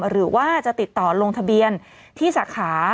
หรือว่าจะติดต่อลงทะเบียนที่สาขา